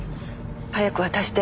早く渡して。